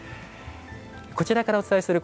こちらからお伝えする